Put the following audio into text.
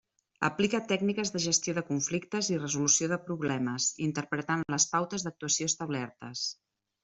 Aplica tècniques de gestió de conflictes i resolució de problemes, interpretant les pautes d'actuació establertes.